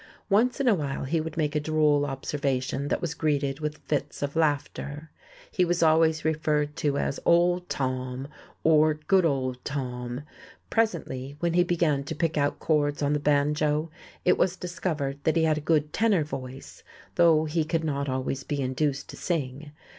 Once in a while he would make a droll observation that was greeted with fits of laughter. He was always referred to as "old Tom," or "good old Tom"; presently, when he began to pick out chords on the banjo, it was discovered that he had a good tenor voice, though he could not always be induced to sing....